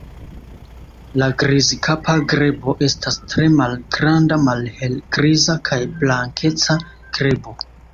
La Grizkapa grebo estas tre malgranda malhelgriza kaj blankeca grebo.